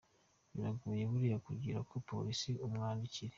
Biragoye buriya kugira ngo polisi imwandikire.